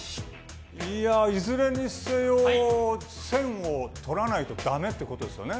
いや、いずれにせよ１０００を取らないと駄目ってことですよね。